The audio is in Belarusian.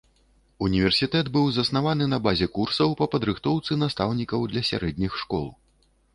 Універсітэт быў заснаваны на базе курсаў па падрыхтоўцы настаўнікаў для сярэдніх школ.